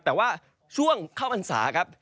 แต่ว่าช่วงเข้าอันสารครับ